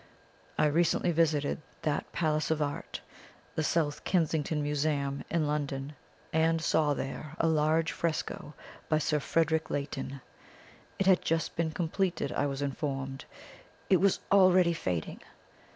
I recently visited that Palace of Art, the South Kensington Museum, in London, and saw there a large fresco by Sir Frederick Leighton. It had just been completed, I was informed. It was already fading!